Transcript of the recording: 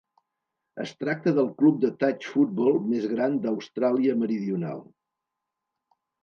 Es tracta del club de touch football més gran d'Austràlia Meridional.